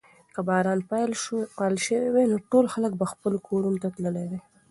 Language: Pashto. که باران پیل شوی وای نو ټول خلک به خپلو کورونو ته تللي وای.